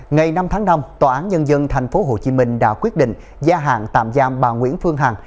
ngày năm tháng năm tòa án nhân dân tp hcm đã quyết định gia hạn tạm giam bà nguyễn phương hằng